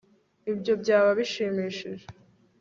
ibyo byaba bishimishije